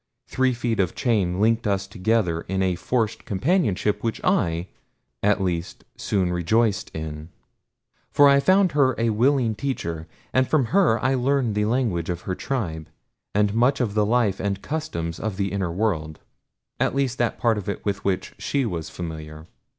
Three feet of chain linked us together in a forced companionship which I, at least, soon rejoiced in. For I found her a willing teacher, and from her I learned the language of her tribe, and much of the life and customs of the inner world at least that part of it with which she was familiar.